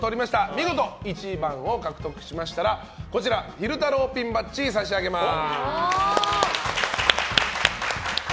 見事１番を獲得しましたら昼太郎ピンバッジ差し上げます。